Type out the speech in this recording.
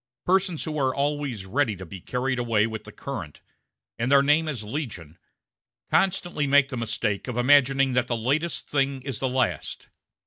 Persons who are always ready to be carried away with the current and their name is legion constantly make the mistake of imagining that the latest thing is the last.